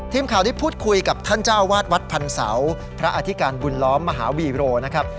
ทีมข่าวได้พูดคุยกับท่านเจ้าวาดวัดพันธ์เสาพระอธิการบุญล้อมหาวีโรนะครับ